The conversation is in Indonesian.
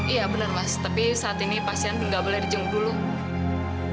iya benar mas tapi saat ini pasien juga gak boleh dijunggu dulu